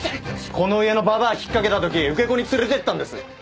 この家のババア引っかけた時受け子に連れてったんです。